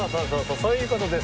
そういう事です。